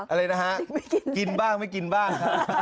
อะไรนะฮะกินบ้างไม่กินบ้าง